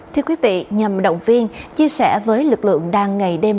thưa quý vị nhằm động viên chia sẻ với lực lượng đang ngày đêm